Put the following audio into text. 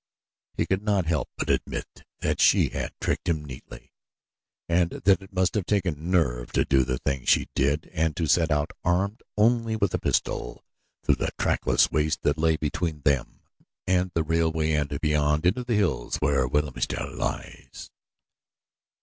He could not help but admit that she had tricked him neatly, and that it must have taken nerve to do the thing she did and to set out armed only with a pistol through the trackless waste that lay between them and the railway and beyond into the hills where Wilhelmstal lies.